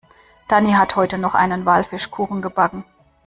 Dani hat heute noch einen Walfischkuchen gebacken.